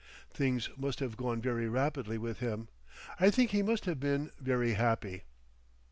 Things must have gone very rapidly with him.... I think he must have been very happy.